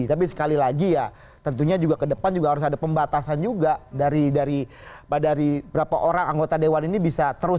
tapi sekali lagi ya tentunya juga ke depan juga harus ada pembatasan juga dari berapa orang anggota dewan ini bisa terus